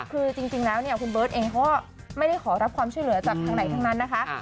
คือจริงแล้วเนี่ยคุณเบิร์ตเองเขาก็ไม่ได้ขอรับความช่วยเหลือจากทางไหนทั้งนั้นนะคะ